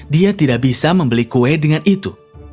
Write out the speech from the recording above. dia tidak bisa membeli kue dengan itu